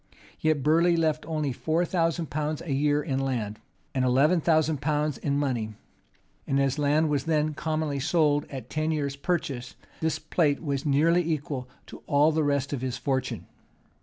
Yet Burleigh left only four thousand pounds a year in land, and eleven thousand pounds in money; and as land was then commonly sold at ten years' purchase, his plate was nearly equal to all the rest of his fortune.